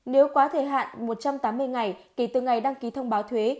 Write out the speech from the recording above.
nếu quá thời hạn một trăm tám mươi ngày kể từ ngày đăng ký thông báo thuế